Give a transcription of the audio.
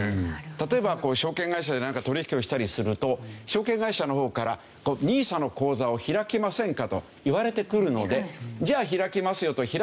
例えば証券会社でなんか取引をしたりすると証券会社の方からＮＩＳＡの口座を開きませんか？と言われてくるのでじゃあ開きますよと開いたけど。